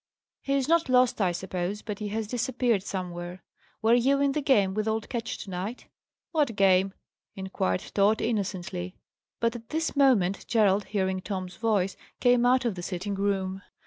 "He is not lost, I suppose; but he has disappeared somewhere. Were you in the game with old Ketch, to night?" "What game?" inquired Tod, innocently. But at this moment Gerald, hearing Tom's voice, came out of the sitting room.